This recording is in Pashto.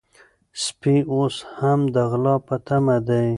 سپی اوس هم د غلام په تمه دی.